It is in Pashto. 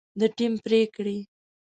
د ټیم پرېکړې